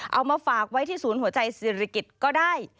เอามาฝากไว้ที่ศูนย์หัวใจศิริกิจก็ได้